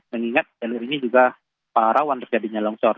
mengingat jalur ini juga rawan terjadinya longsor